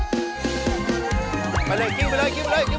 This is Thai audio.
กินไปเลยกินไปเลย